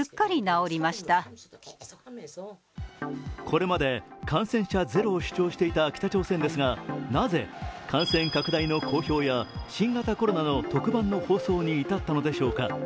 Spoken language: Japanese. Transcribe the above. これまで感染者ゼロを主張していた北朝鮮ですが、なぜ、感染拡大の公表や新型コロナの特番の放送に至ったのでしょうか。